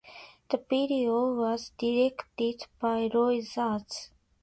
The video was directed by Roy Raz.